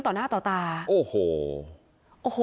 ต่อหน้าต่อตาโอ้โห